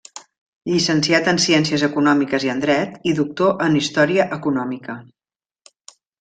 Llicenciat en ciències econòmiques i en dret, i doctor en Història Econòmica.